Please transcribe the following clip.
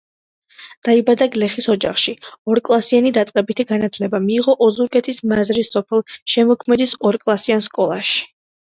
დაიბადა გლეხის ოჯახში, ორკლასიანი დაწყებითი განათლება მიიღო ოზურგეთის მაზრის სოფელ შემოქმედის ორკლასიან სკოლაში.